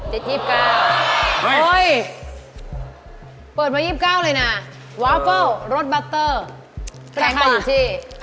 เฮ้ยเปิดมา๒๙เลยนะวาเฟิลรถบัสเตอร์ราคาอยู่ที่